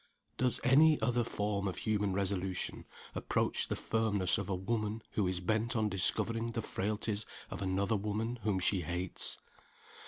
Does any other form of human resolution approach the firmness of a woman who is bent on discovering the frailties of another woman whom she hates?